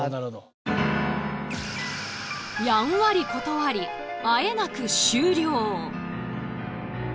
やんわり断りあえなく終了。